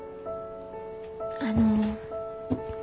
あの。